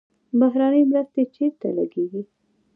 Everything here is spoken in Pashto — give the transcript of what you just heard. بهرنۍ مرستې چیرته لګیږي؟